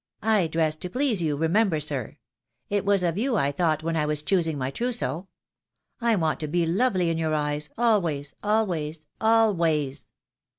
I dress to please you, remember, sir. It was of you I thought when I was choosing my trousseau. I want to be lovely in your eyes always, always, always."